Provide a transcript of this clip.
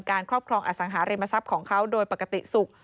ครอบครองอสังหาริมทรัพย์ของเขาโดยปกติสุข